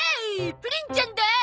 プリンちゃんだ！